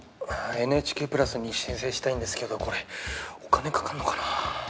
ＮＨＫプラスに申請したいんですけどこれお金かかんのかな？